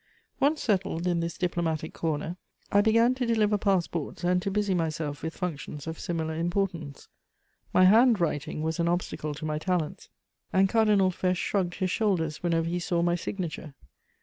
Once settled in this diplomatic corner, I began to deliver pass ports and to busy myself with functions of similar importance. My handwriting was an obstacle to my talents, and Cardinal Fesch shrugged his shoulders whenever he saw my signature.